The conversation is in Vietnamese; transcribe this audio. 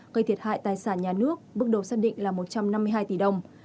gây thiệt hại tài sản nhà nước bước đầu xác định là một trăm năm mươi hai tỷ đồng